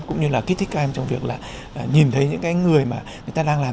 cũng như là kích thích các em trong việc là nhìn thấy những cái người mà người ta đang làm